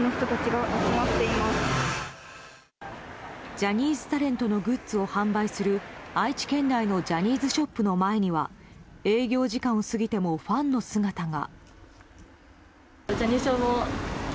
ジャニーズタレントのグッズを販売する愛知県内のジャニーズショップの前には営業時間を過ぎてもファンの姿が。